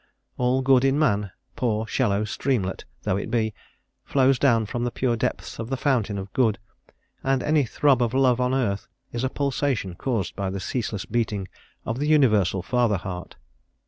All good in man poor shallow streamlet though it be flows down from the pure depths of the Fountain of Good, and any throb of Love on earth is a pulsation caused by the ceaseless beating of the Universal Father Heart.